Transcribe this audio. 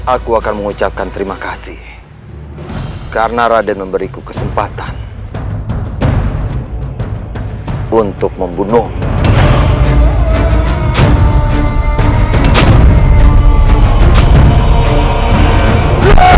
aku akan mengucapkan terima kasih karena raden memberiku kesempatan untuk membunuh